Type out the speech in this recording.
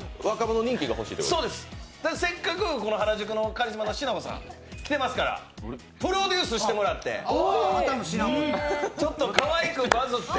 せっかく原宿のしなこさん来ていますから、プロデュースしてもらってちょっとかわいくバズって。